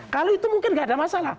kalau itu mungkin nggak ada masalah